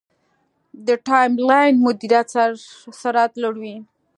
د ټایملاین مدیریت سرعت لوړوي.